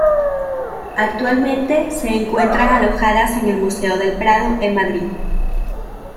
Actualmente se encuentran alojadas en el Museo del Prado, en Madrid.